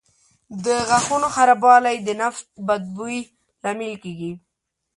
د غاښونو خرابوالی د نفس بد بوی لامل کېږي.